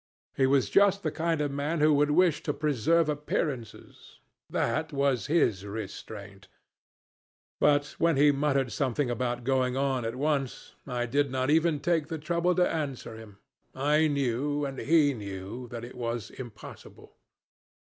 He was just the kind of man who would wish to preserve appearances. That was his restraint. But when he muttered something about going on at once, I did not even take the trouble to answer him. I knew, and he knew, that it was impossible.